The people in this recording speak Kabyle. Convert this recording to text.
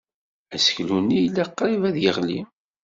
Aseklu-nni yella qrib ad yeɣli.